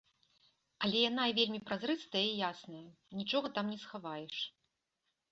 Але яна і вельмі празрыстая і ясная, нічога там не схаваеш.